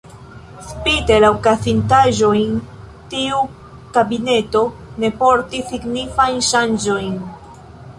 Spite la okazintaĵojn, tiu kabineto ne portis signifajn ŝanĝojn.